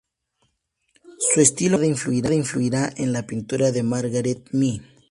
Su estilo más tarde influiría en la pintura de Margaret Mee.